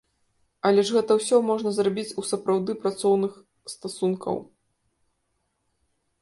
Але ж гэта ўсё можна зрабіць у сапраўды працоўных стасункаў.